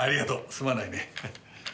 すまないね。